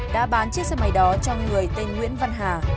đã bán chiếc xe máy đó cho người tên nguyễn văn hà